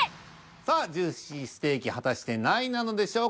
さあジューシーステーキ果たして何位なのでしょうか？